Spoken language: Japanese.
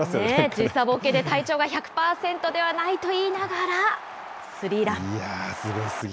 時差ぼけで体調が１００％ではないと言いながら、スリーラン。